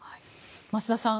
増田さん